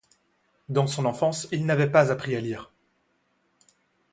Dans son enfance, il n'avait pas appris à lire.